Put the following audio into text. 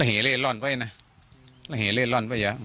ระเหลเลล่อนไว้น่ะระเหลเลล่อนไว้อย่าง